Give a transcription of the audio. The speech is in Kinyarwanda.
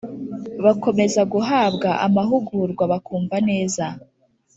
bakomeza guhabwa amahugurwa bakumva neza